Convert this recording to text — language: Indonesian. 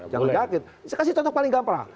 jangan yakin saya kasih contoh paling gampang